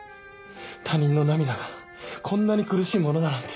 他人の涙がこんなに苦しいものだなんて。